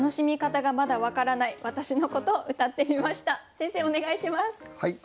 先生お願いします。